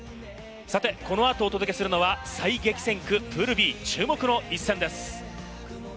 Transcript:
さて、この後お届けするのは最激戦区プールＢ、注目の一戦です。